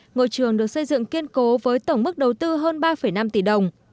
ngôi trường được xây dựng kiên cố với tổng mức đầu tư hơn ba năm tỷ đồng